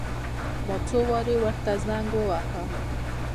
ما څو وارې ورته زنګ وواهه.